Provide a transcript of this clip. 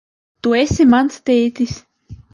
Tu esi mans tētis?